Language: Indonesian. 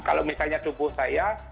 kalau misalnya tubuh saya